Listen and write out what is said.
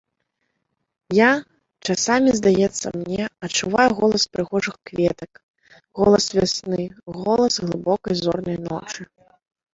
Я, часамі здаецца мне, адчуваю голас прыгожых кветак, голас вясны, голас глыбокай зорнай ночы!